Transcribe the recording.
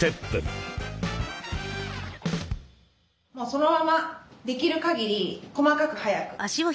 そのままできるかぎり細かく速く。